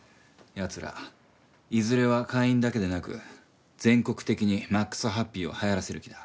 奴らいずれは会員だけでなく全国的にマックスハッピーを流行らせる気だ。